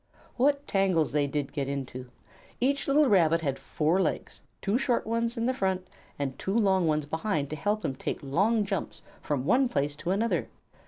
What tangles they did get into! Each little Rabbit had four legs, two short ones in front, and two long ones behind to help him take long jumps from one place to another.